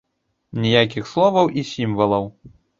Ніякіх словаў і сімвалаў.